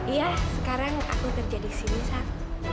iya sekarang aku kerja disini sat